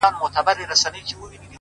وېريږي نه خو انگازه يې بله _